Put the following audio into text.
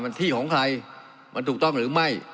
แล้วที่ของใครถึงต้องหรือไม่